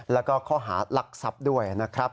แล้วก็ข้อหารักทรัพย์ด้วยนะครับ